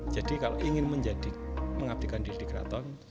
jadi kalau ingin menjadi mengabdikan diri di keraton